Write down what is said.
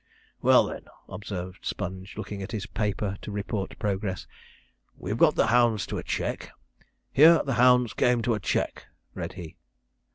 'Well, then,' observed Sponge, looking at his paper to report progress, 'we've got the hounds to a check. "Here the hounds came to a check,"' read he.